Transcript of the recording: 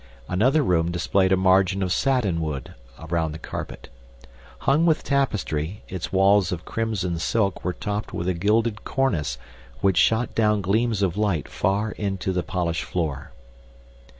Another room displayed a margin of satinwood around the carpet. Hung with tapestry, its walls of crimson silk were topped with a gilded cornice which shot down gleams of light far into the polished floor.